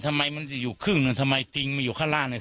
ทำไมมันจะอยู่ครึ่งนึงทำไมติ๊งมันอยู่ข้างล่างนึง